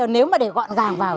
nếu mà để gọn gàng vào